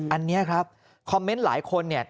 อันนี้ครับคอมเมนต์หลายคนเนี่ย